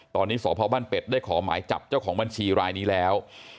ตอนนี้สพบ้านเป็ดได้ขอหมายจับเจ้าของบัญชีรายนี้แล้ว